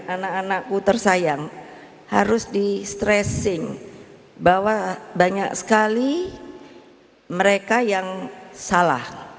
anak anakku tersayang harus di stressing bahwa banyak sekali mereka yang salah